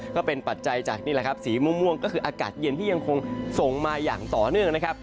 ปัจจัยจากนี่แหละครับสีม่วงก็คืออากาศเย็นที่ยังคงส่งมาอย่างต่อเนื่องนะครับ